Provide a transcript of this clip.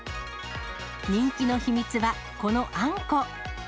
人気の秘密は、このあんこ。